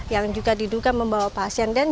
yang juga diduga membawa pasien